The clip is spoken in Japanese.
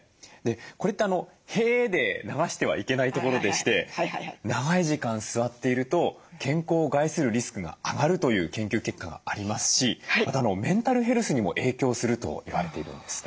これってへえで流してはいけないところでして長い時間座っていると健康を害するリスクが上がるという研究結果がありますしまたメンタルヘルスにも影響すると言われているんですね。